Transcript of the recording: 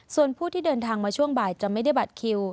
ส่วนผู้ที่เดินทางมาช่วงบ่ายจะไม่ได้บัตรคิว